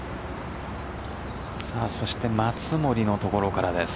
そして松森のところからです。